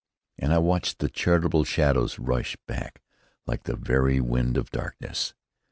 And I watched the charitable shadows rush back like the very wind of darkness.